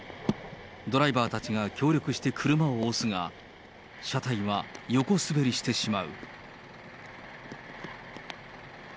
ドライバーたちが協力して車を押すが、車体は横滑りしてしまう。